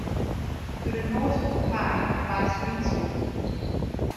To the north of the park lies Winn's Wood.